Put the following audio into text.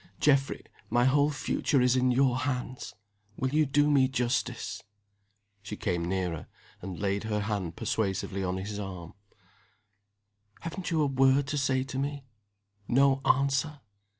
Geoffrey, my whole future is in your hands. Will you do me justice?" She came nearer, and laid her hand persuasively on his arm. "Haven't you a word to say to me? No answer?